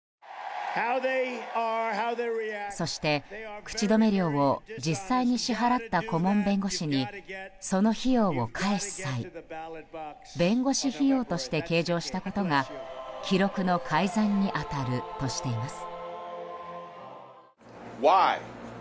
そして、口止め料を実際に支払った顧問弁護士にその費用を返す際弁護士費用として計上したことが、記録の改ざんに当たるとしています。